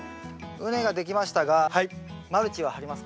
畝が出来ましたがマルチは張りますか？